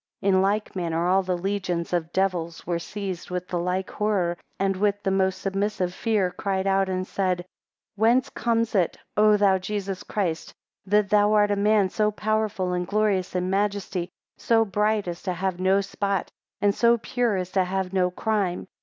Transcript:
9 In like manner all the legions of devils were seized with the like horror, and with the most submissive fear cried out, and said, 10 Whence comes it, O thou Jesus Christ, that thou art a man so powerful and glorious in majesty so bright as to have no spot, and so pure as to have no crime?